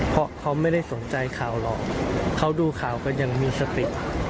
เพราะเขาไม่ได้สนใจข่าวหรอกเขาดูข่าวกันยังมีสติ